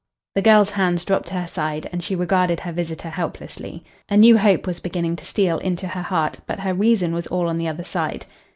The girl's hands dropped to her side, and she regarded her visitor helplessly. A new hope was beginning to steal into her heart, but her reason was all on the other side.